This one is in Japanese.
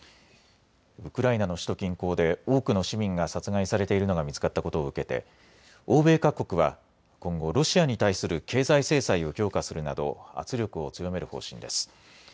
ウクライナの首都近郊で多くの市民が殺害されているのが見つかったことを受けて欧米各国は今後、ロシアに対する経済制裁を強化するなど圧力を強める方針です。